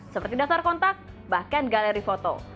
seperti daftar kontak bahkan galeri foto